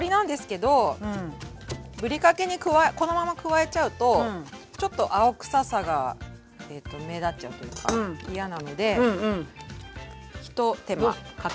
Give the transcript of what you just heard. ぶりかけにこのまま加えちゃうとちょっと青臭さが目立っちゃうというか嫌なので一手間かけます。